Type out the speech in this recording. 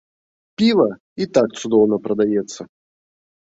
Піва і так цудоўна прадаецца.